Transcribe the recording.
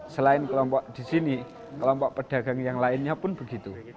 selain kelompok di sini kelompok pedagang yang lainnya pun begitu